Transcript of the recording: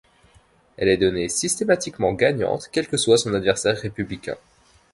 Elle est donnée systématiquement gagnante quel que soit son adversaire républicain.